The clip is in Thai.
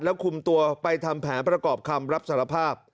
คุมตัวไปทำแผนประกอบคำรับสารภาพ